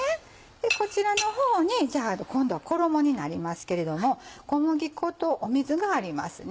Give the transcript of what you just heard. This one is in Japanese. こちらの方に今度は衣になりますけれども小麦粉と水がありますね。